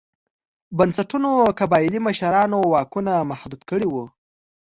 بنسټونو قبایلي مشرانو واکونه محدود کړي وو.